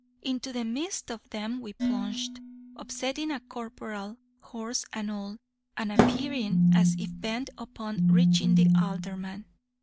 Into the midst of them we plunged, upsetting a corporal, horse and all, and appearing as if bent upon reaching the alderman.